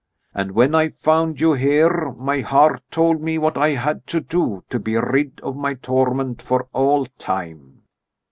And when I found you here, my heart told me what I had to do to be rid of my torment for all time."